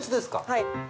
はい。